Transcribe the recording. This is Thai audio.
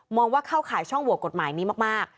ว่าเข้าข่ายช่องโหวตกฎหมายนี้มาก